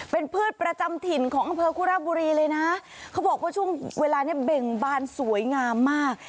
เป็นพืชประจำถิ่นของอำเภอคุระบุรีเลยนะเขาบอกว่าช่วงเวลานี้เบ่งบานสวยงามมาก